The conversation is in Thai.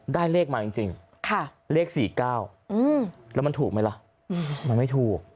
ได้เลขมาจริงเลข๔๙แล้วมันถูกไหมล่ะมันไม่ถูก